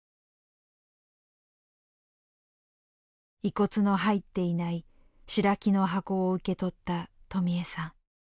遺骨の入っていない白木の箱を受け取ったとみゑさん。